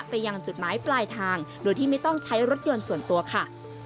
ไปยังจุดหมายปลายทางโดยที่ไม่ต้องใช้รถยนต์ส่วนตัวค่ะ